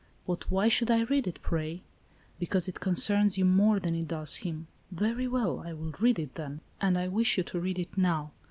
" But why should I read it, pray ?"" Because it concerns you more than it does him." " Very well ; I will read it then." " And I wish you to read it now.